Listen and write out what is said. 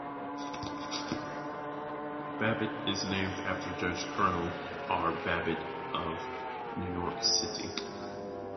Babbitt is named after Judge Kurnal R. Babbitt of New York City.